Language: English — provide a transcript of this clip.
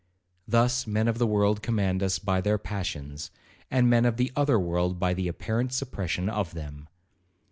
Thus men of the world command us by their passions, and men of the other world by the apparent suppression of them.